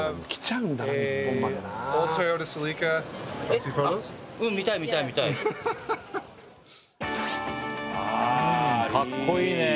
うんかっこいいね。